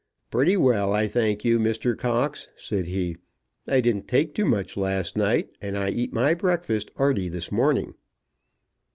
"Pretty well, I thank you, Mr. Cox," said he. "I didn't take too much last night, and I eat my breakfast 'earty this morning."